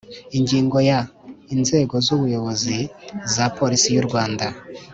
Ingingo ya Inzego z ubuyobozi za Polisi y u Rwanda